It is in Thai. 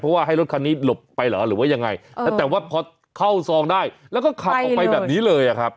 เพราะว่าให้รถคันนี้หลบไปเหรอหรือว่ายังไงแต่ว่าพอเข้าซองได้แล้วก็ขับออกไปแบบนี้เลยอะครับ